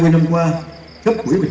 hai mươi năm qua